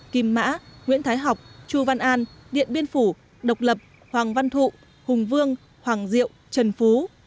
kim mã nguyễn thái học chu văn an điện biên phủ độc lập hoàng văn thụ hùng vương hoàng diệu trần phú